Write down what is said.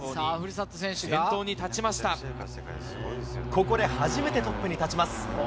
ここで初めてトップに立ちます。